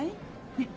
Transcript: ねっ。